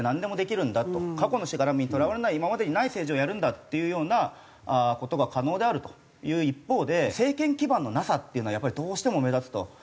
過去のしがらみにとらわれない今までにない政治をやるんだっていうような事が可能であるという一方で政権基盤のなさっていうのはやっぱりどうしても目立つと。